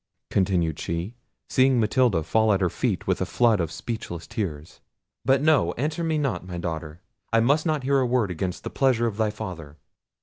continued she, seeing Matilda fall at her feet with a flood of speechless tears—"But no; answer me not, my daughter: I must not hear a word against the pleasure of thy father."